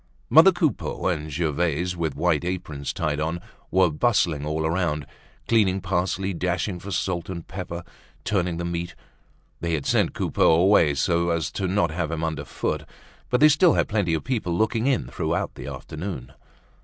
Mother Coupeau and Gervaise, with white aprons tied on, were bustling all around, cleaning parsley, dashing for salt and pepper, turning the meat. They had sent Coupeau away so as not to have him underfoot, but they still had plenty of people looking in throughout the afternoon.